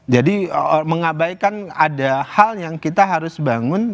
jadi mengabaikan ada hal yang kita harus bangun